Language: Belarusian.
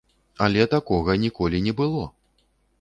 Але такога ніколі не было!